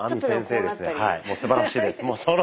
いやもうすばらしいです。